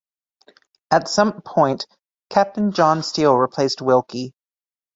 At some point Captain John Steel replaced Wilkie.